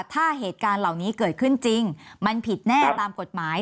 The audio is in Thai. ถ้าเหตุการณ์เหล่านี้เกิดขึ้นจริงมันผิดแน่ตามกฎหมาย